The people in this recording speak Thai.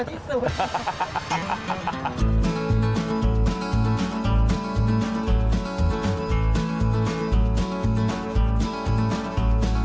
ชิคกี้พายน่ากลัวที่สุด